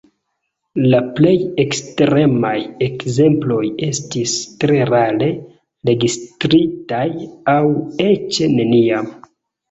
La plej ekstremaj ekzemploj estis tre rare registritaj aŭ eĉ neniam.